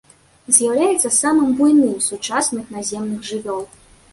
З'яўляецца самым буйным з сучасных наземных жывёл.